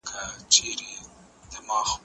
زه هره ورځ تمرين کوم